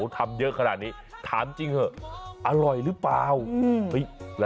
ทำเยอะขนาดนี้ถามจริงเถอะอร่อยหรือเปล่า